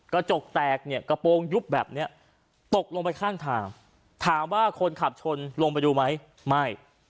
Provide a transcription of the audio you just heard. กระจกแตกเนี่ยกระโปรงยุบแบบนี้ตกลงไปข้างทางถามว่าคนขับชนลงไปดูไหมไม่